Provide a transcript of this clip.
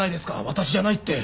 私じゃないって！